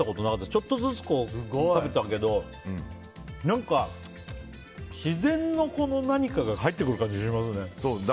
ちょっとずつ食べたけど何か、自然の何かが入ってくる感じがしますね。